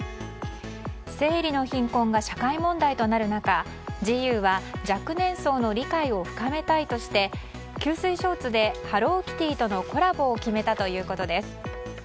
生理の貧困が社会問題となる中ジーユーは若年層の理解を深めたいとして吸水ショーツでハローキティとのコラボを決めたということです。